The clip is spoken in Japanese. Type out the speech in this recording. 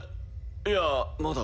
いやまだ。